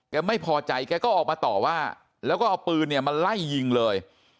ไม่พอใจแกก็ออกมาต่อว่าแล้วก็เอาปืนเนี่ยมาไล่ยิงเลย